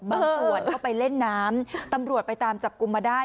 สวดเข้าไปเล่นน้ำตำรวจไปตามจับกลุ่มมาได้